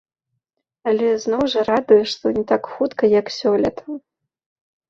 Але зноў жа, радуе, што не так хутка, як сёлета.